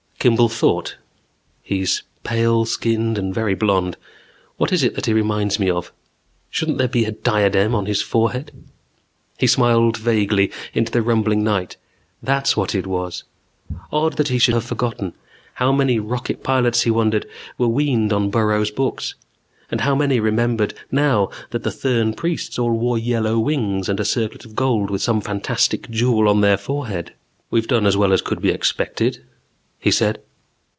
Kimball thought: He's pale skinned and very blond. What is it that he reminds me of? Shouldn't there be a diadem on his forehead? He smiled vaguely into the rumbling night. That's what it was. Odd that he should have forgotten. How many rocket pilots, he wondered, were weaned on Burroughs' books? And how many remembered now that the Thern priests all wore yellow wings and a circlet of gold with some fantastic jewel on their forehead? "We've done as well as could be expected," he said.